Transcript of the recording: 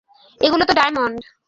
এগুলো তো ডায়মন্ড!